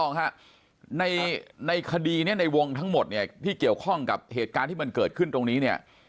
ค่ะในในคดีนี้ในวงทั้งหมดนี้ที่เกี่ยวข้องกับเกิดขึ้นตรงนี้เนี่ย